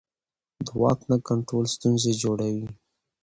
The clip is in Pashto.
د واک نه کنټرول ستونزې جوړوي